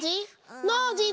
ノージー？